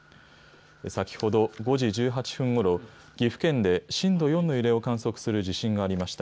先ほど５時１８分ごろ、岐阜県で震度４の揺れを観測する地震がありました。